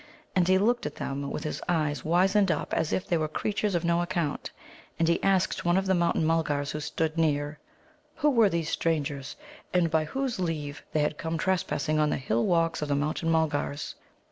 And he looked at them with his eyes wizened up as if they were creatures of no account. And he asked one of the Mountain mulgars who stood near, Who were these strangers, and by whose leave they had come trespassing on the hill walks of the Mountain mulgars.